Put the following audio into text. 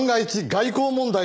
外交問題？